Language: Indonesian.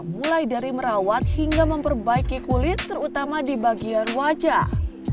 mulai dari merawat hingga memperbaiki kulit terutama di bagian wajah